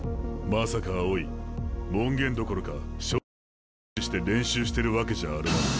まさか青井門限どころか消灯時間も無視して練習してるわけじゃあるまいな。